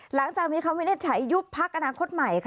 หลังจากมีความวินเรศฉัยูบพักอคตใหม่